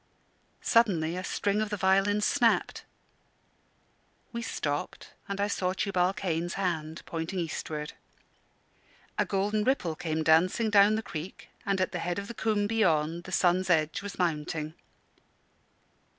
Suddenly a string of the violin snapped. We stopped, and I saw Tubal Cain's hand pointing eastward. A golden ripple came dancing down the creek, and, at the head of the combe beyond, the sun's edge was mounting.